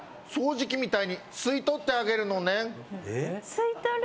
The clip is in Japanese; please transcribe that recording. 吸い取る？